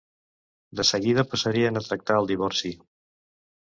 De seguida passarien a tractar el divorci.